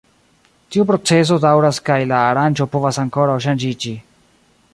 Tiu procezo daŭras kaj la aranĝo povas ankoraŭ ŝanĝiĝi.